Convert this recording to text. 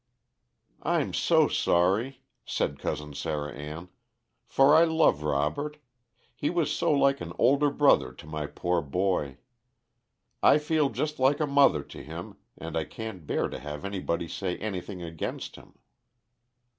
"I'm so sorry," said Cousin Sarah Ann, "for I love Robert. He was so like an older brother to my poor boy. I feel just like a mother to him, and I can't bear to have anybody say anything against him."